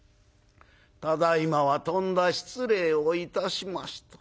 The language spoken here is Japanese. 「ただいまはとんだ失礼をいたしました。